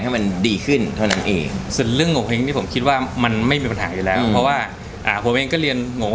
ให้โทรมาที่๐อะไร